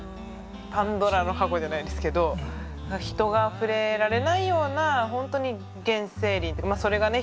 パンドラの箱じゃないですけど人が触れられないような本当に原生林というかそれがね